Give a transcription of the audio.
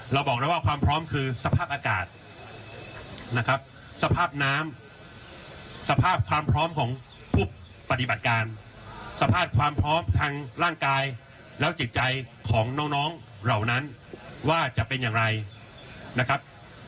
บอกแล้วว่าความพร้อมคือสภาพอากาศนะครับสภาพน้ำสภาพความพร้อมของผู้ปฏิบัติการสภาพความพร้อมทางร่างกายแล้วจิตใจของน้องเหล่านั้นว่าจะเป็นอย่างไรนะครับ